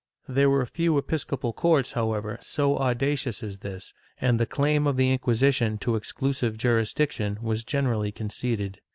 ^ There were few episcopal courts, however, so audacious as this, and the claim of the Inquisition to exclusive jurisdiction was generally conceded.